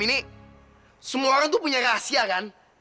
ini semua orang tuh punya rahasia kan